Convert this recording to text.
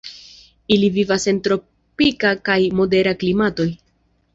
Ili vivas en tropika kaj modera klimatoj.